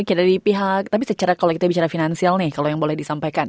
oke dari pihak tapi secara kalau kita bicara finansial nih kalau yang boleh disampaikan